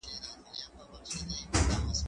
زه اوس سينه سپين کوم،